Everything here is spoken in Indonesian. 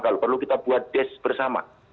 kalau perlu kita buat desk bersama